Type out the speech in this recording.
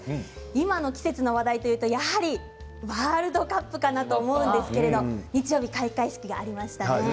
今の季節の話題というとやはりワールドカップかなと思うんですけれど日曜日、開会式がありましたね。